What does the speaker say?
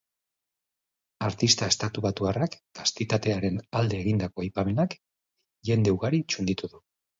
Artista estatubatuarrak kastitatearen alde egindako aipamenak jende ugari txunditu du.